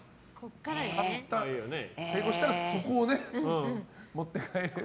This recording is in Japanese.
成功したらそこを持って帰れると。